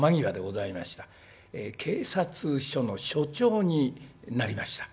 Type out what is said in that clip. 警察署の署長になりました。